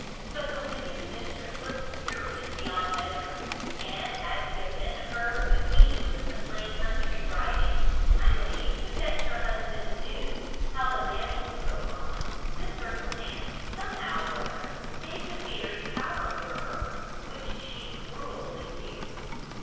But the wicked mistress was furious beyond measure; and as the event occurred when the queen was in the plain country, driving, I believe, to fetch her husband news how the lambing was going on, this circumstance somehow or other gave the fairy power over her which she cruelly used.